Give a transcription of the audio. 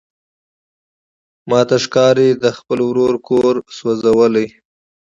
ماته ښکاري ده خپله د ورور کور سوزولی.